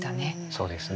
そうですね。